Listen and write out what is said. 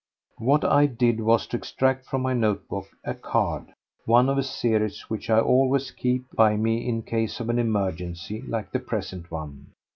What I did was to extract from my notebook a card, one of a series which I always keep by me in case of an emergency like the present one.